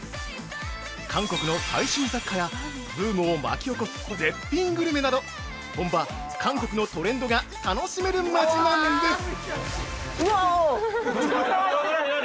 韓国の最新雑貨や、ブームを巻き起こす絶品グルメなど本場・韓国のトレンドが楽しめる町なんです。